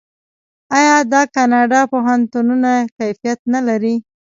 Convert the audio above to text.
آیا د کاناډا پوهنتونونه کیفیت نلري؟